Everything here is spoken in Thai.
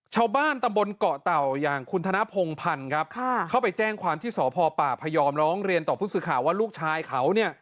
ชาวบ้านตำบลเกาะเต่าอย่างคุณธนพงพันธ์ครับเข้าไปแจ้งความที่สพปพยอมร้องเรียนต่อผู้สื่อข่าวว่าลูกชายเขาเนี่ย